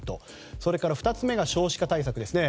それから２つ目が少子化対策ですね。